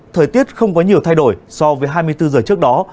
thời tiết không có nhiều thay đổi so với hai mươi bốn giờ trước đó